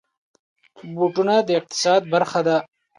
بوټونه د اقتصاد برخه ده.